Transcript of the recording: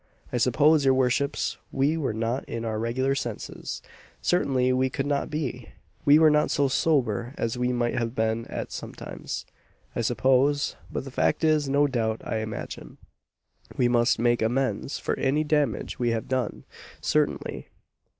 I suppose your worships, we were not in our regular senses certainly we could not be we were not so sober as we might have been at sometimes, I suppose; but the fact is, no doubt, I imagine, we must make amends for any damage we have done, certainly."